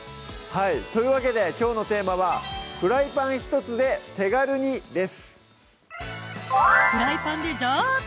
はいというわけできょうのテーマは「フライパンひとつで手軽に！」です